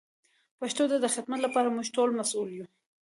پښتو ته د خدمت لپاره موږ ټول مسئول یو.